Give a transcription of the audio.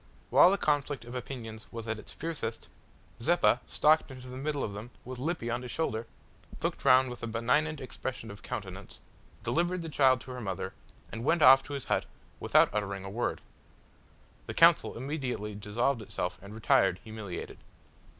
While the conflict of opinions was at its fiercest, Zeppa stalked into the midst of them with Lippy on his shoulder, looked round with a benignant expression of countenance, delivered the child to her mother, and went off to his hut without uttering a word. The council immediately dissolved itself and retired humiliated.